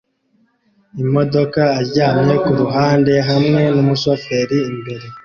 Imodoka aryamye kuruhande hamwe numushoferi imbere